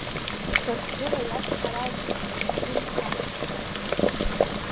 Қырҭтәыла иачҳар алшоит хә-процентк асасцәа.